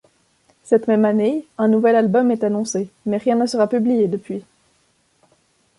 Cette même année, un nouvel album est annoncé, mais rien ne sera publié depuis.